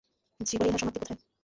জীবনে ইহার সমাপ্তি কোথায়।